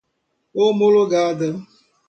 homologada